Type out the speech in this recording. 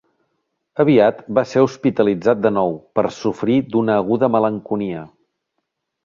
Aviat va ser hospitalitzat de nou per sofrir d'una aguda malenconia